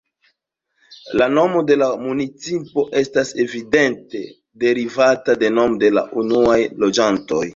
La nomo de la municipo estas evidente derivita de nomo de la unuaj loĝantoj.